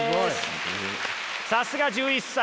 さすが１１歳。